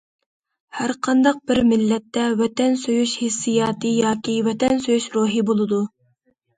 ھەر قانداق بىر مىللەتتە ۋەتەن سۆيۈش ھېسسىياتى ياكى ۋەتەن سۆيۈش روھى بولىدۇ.